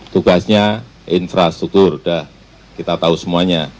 tugasnya infrastruktur sudah kita tahu semuanya